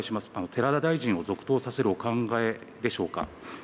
寺田大臣を続投させるお考えでしょうか。